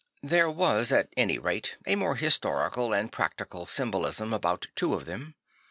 There ,vas at any rate a more historical and practical symbolism about two of them.